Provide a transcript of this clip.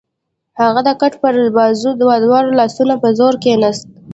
هغه د کټ پر بازو د دواړو لاسونو په زور کېناست.